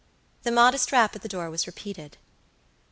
The modest rap at the door was repeated.